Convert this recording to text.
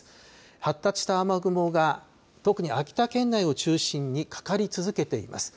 発達した雨雲が特に秋田県内を中心にかかり続けています。